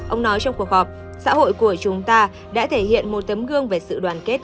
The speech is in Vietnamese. ông nói trong cuộc họp xã hội của chúng ta đã thể hiện một tấm gương về sự đoàn kết